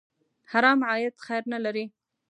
حرام عاید خیر نه لري.